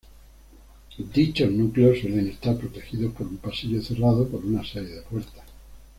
Dichos núcleos suelen estar protegidos por un pasillo cerrado por una serie de puertas.